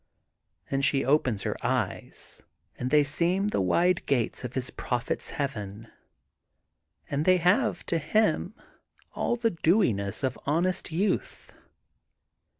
'' And she opens her eyes and they seem the wide gates of his Prophet 's heaven. And they have, to him, all the dewiness of honest youth.